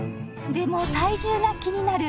でも体重が気になる